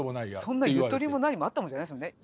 そんなゆとりも何もあったもんじゃないですよね。